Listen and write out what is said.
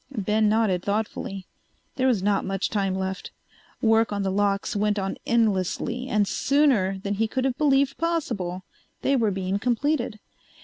Ben nodded thoughtfully. There was not much time left. Work on the locks went on endlessly, and sooner than he could have believed possible they were being completed.